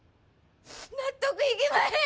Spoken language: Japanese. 納得いきまへん！